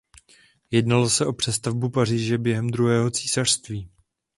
Jednalo se o přestavbu Paříže během druhého císařství.